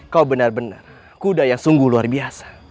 kau benar benar kuda yang sungguh luar biasa